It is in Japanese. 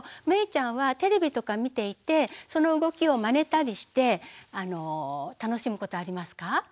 めいちゃんはテレビとか見ていてその動きをまねたりして楽しむことありますか？